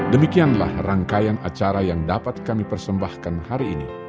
demikianlah rangkaian acara yang dapat kami persembahkan hari ini